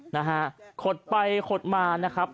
นะฮะขดไปขดมานะครับ